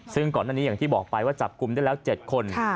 ซึ่งก่อนหน้านี้อย่างที่บอกไปว่าจับกลุ่มได้แล้ว๗คน